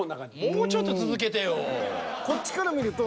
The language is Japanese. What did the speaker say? もうちょっと続けてよ。